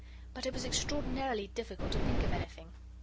But it was extraordinarily difficult to think of anything.